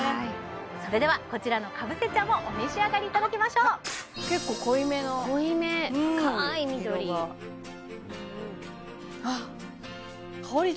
それではこちらのかぶせ茶もお召し上がりいただきましょう結構濃いめの濃いめ深い緑あっ香り